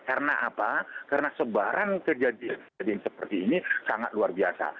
karena apa karena sebarang kejadian seperti ini sangat luar biasa